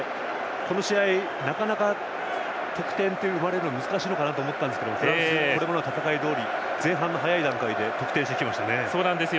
この試合、なかなか得点が生まれるのが難しいのかなと思ったんですがフランスはこれまでの戦いどおり前半の早い段階で得点できましたね。